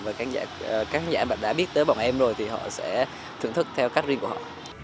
và các khán giả mà đã biết tới bọn em rồi thì họ sẽ thưởng thức theo cách riêng của họ